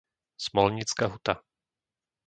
Smolnícka Huta